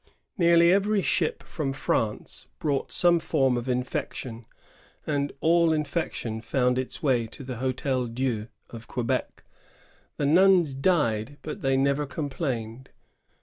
Nearly every ship from France brought some form of infection, and all infec tion found its way to the H8tel Dieu of Quebec. The nuns died, but they never complained.